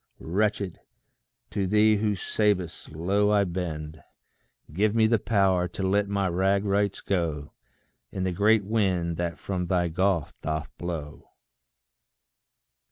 Wretched, to thee who savest, low I bend: Give me the power to let my rag rights go In the great wind that from thy gulf doth blow.